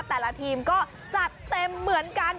แต่ละทีมก็จัดเต็มเหมือนกัน